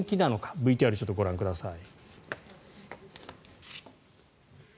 ＶＴＲをご覧ください。